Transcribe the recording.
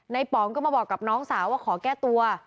ป๋องก็มาบอกกับน้องสาวว่าขอแก้ตัว